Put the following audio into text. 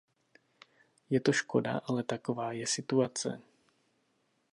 Je to škoda, ale taková je situace.